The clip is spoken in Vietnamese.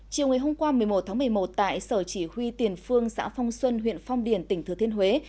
chiều hôm qua một mươi một một mươi một tại sở chỉ huy tiền phương xã phong xuân huyện phong điển tỉnh thừa thiên huế